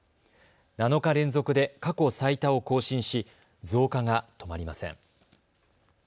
７日連続で過去最多を更新し増加が止まりません。